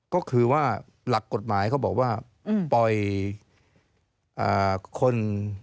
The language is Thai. ก็คือว่าหลักกฎหมายเขาบอกว่าปล่อยคน